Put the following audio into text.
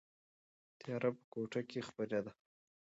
تیاره په کوټه کې خپره ده.